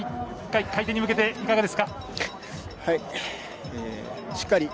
回転に向けていかがですか。